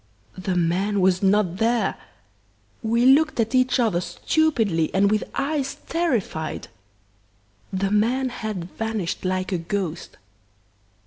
"The man was not there! "We looked at each other stupidly and with eyes terrified. The man had vanished like a ghost.